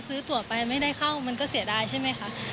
ตัวไปไม่ได้เข้ามันก็เสียดายใช่ไหมคะ